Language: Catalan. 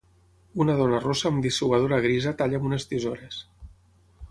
Una dona rossa amb dessuadora grisa talla amb unes tisores.